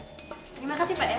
terima kasih pak